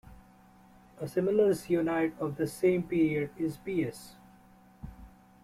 A similar Zionide of the same period is Ps.